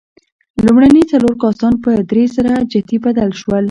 لومړني څلور کاستان په درېزره جتي بدل شول.